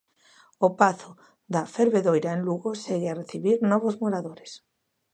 O pazo da Fervedoira, en Lugo, segue a recibir novos moradores.